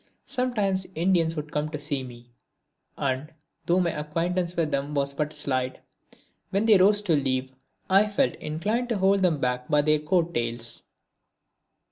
Sometimes Indians would come to see me; and, though my acquaintance with them was but slight, when they rose to leave I felt inclined to hold them back by their coat tails.